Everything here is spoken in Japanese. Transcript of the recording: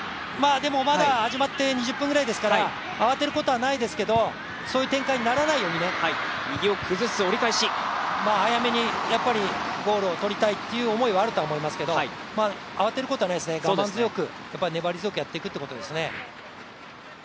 まだ、始まって２０分ぐらいですから慌てることはないですけど、そういう展開にならないようにね早めにゴールをとりたいという思いはあると思いますけど慌てることはないですね、我慢強く粘り強くやっていくということですね。